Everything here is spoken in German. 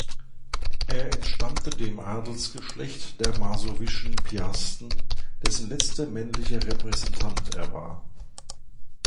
Er entstammte dem Adelsgeschlecht der masowischen Piasten, dessen letzter männlicher Repräsentant er war.